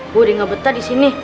gue udah nggak betah di sini